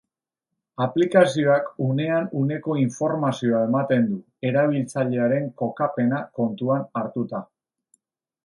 Aplikazioak unean uneko informazioa ematen du, erabiltzailearen kokapena kontuan hartuta.